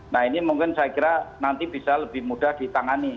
nah ini mungkin saya kira nanti bisa lebih mudah ditangani